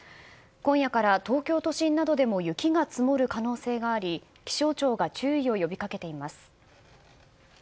今夜から東京都心などでも雪が積もる可能性があり気象庁が注意を呼び掛けています。